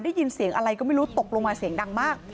ได้ยินเสียงอะไรก็ไม่รู้ตกลงมาเสียงดังมาก